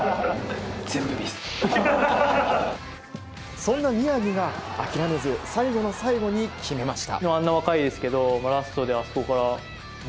そんな宮城が諦めず最後の最後に決めました。